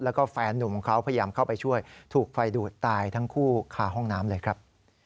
แล้วก็แฟนนุ่มของเขาพยายามเข้าไปช่วยถูกไฟดูดตายทั้งคู่คาห้องน้ำเลยครับ